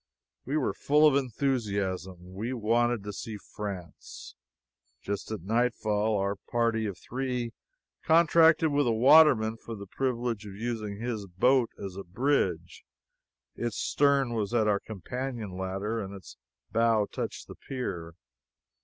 We were full of enthusiasm we wanted to see France! Just at nightfall our party of three contracted with a waterman for the privilege of using his boat as a bridge its stern was at our companion ladder and its bow touched the pier.